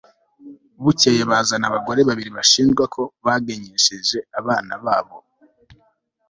bukeye, bazana abagore babiri bashinjwa ko bagenyesheje abana babo